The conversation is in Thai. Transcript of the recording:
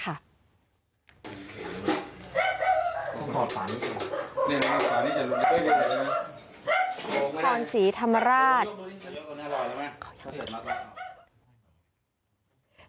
คอนศรีธรรมราช